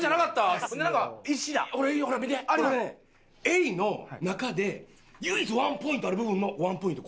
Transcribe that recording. エイの中で唯一ワンポイントある部分のワンポイント